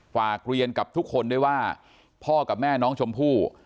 ฝากเรียนกับทุกคนด้วยว่าพ่อกับแม่น้องชมพู่